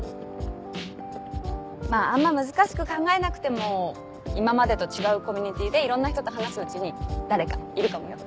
まぁあんま難しく考えなくても今までと違うコミュニティーでいろんな人と話すうちに誰かいるかもよ。